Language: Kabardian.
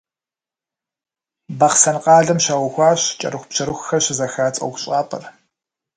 Бахъсэн къалэм щаухуащ кӏэрыхубжьэрыхухэр щызэхадз ӏуэхущӏапӏэр.